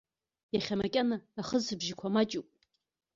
Иахьа макьана ахысыбжьқәа маҷуп.